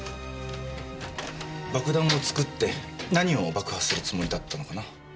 爆弾を作って何を爆破するつもりだったのかな？